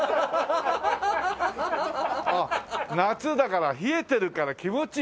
ああ夏だから冷えてるから気持ちいい！